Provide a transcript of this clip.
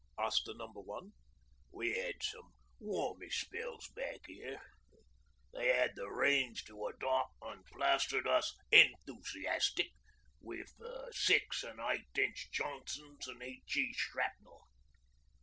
asked the Number One. 'We had some warmish spells back here. They had the range to a dot, and plastered us enthusiastic with six an' eight inch Johnsons an' H.E. shrapnel.